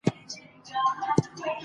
نازداره